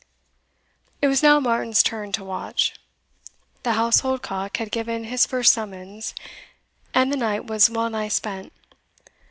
It was now Martin's turn to watch. The household cock had given his first summons, and the night was well nigh spent.